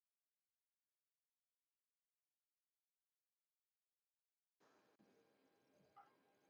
A költési időszak novembertől márciusig tart.